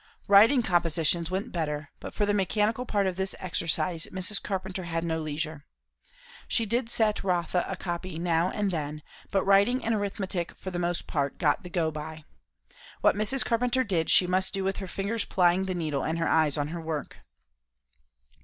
Writing compositions went better; but for the mechanical part of this exercise Mrs. Carpenter had no leisure. She did set Rotha a copy now and then; but writing and arithmetic for the most part got the go by. What Mrs. Carpenter did she must do with her fingers plying the needle and her eyes on her work.